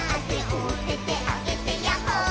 「おててあげてヤッホー」